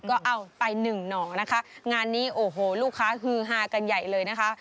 ก็เอาไปหนึ่งหน่อนะคะงานนี้โอ้โหลูกค้าฮือฮากันใหญ่เลยนะคะ